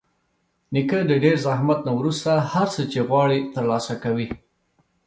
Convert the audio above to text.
نیکه د ډېر زحمت نه وروسته هر څه چې غواړي ترلاسه کوي.